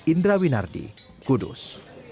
indra winardi kudus